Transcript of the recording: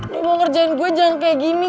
lo mau ngerjain gue jangan kayak gini